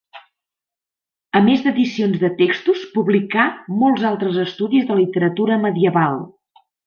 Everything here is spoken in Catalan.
A més d'edicions de textos publicà molts altres estudis de literatura medieval.